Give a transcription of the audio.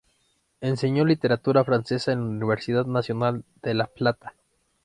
Enseñó literatura francesa en la Universidad Nacional de La Plata.